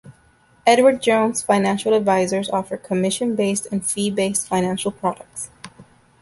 Edward Jones financial advisors offer commission-based and fee-based financial products.